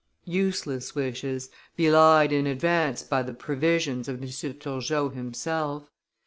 Useless wishes, belied in advance by the previsions of M. Turgot himself.